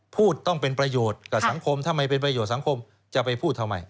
พูดต้องเป็นประโยชน์กับสังคมทำไมเป็นประโยชน์สังคมจะไปพูดทำไม